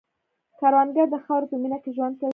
کروندګر د خاورې په مینه کې ژوند کوي